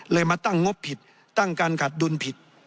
มาตั้งงบผิดตั้งการขาดดุลผิด